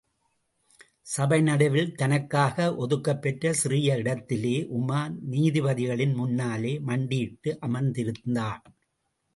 சபை நடுவில் தனக்காக ஒதுக்கப் பெற்ற சிறிய இடத்திலே, உமார் நீதிபதிகளின் முன்னாலே மண்டியிட்டு அமர்ந்திருந்தான்.